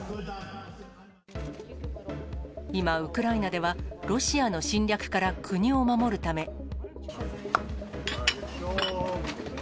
今、ウクライナでは、ロシアの侵略から国を守るため。